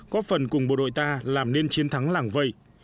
có phần cùng bộ đội ta làm nên chiến thắng làng vây